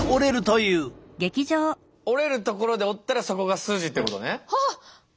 折れる所で折ったらそこがスジってことね。